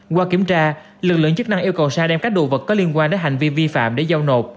qua kiểm tra lực lượng chức năng yêu cầu sa đem các đồ vật có liên quan đến hành vi vi phạm để giao nộp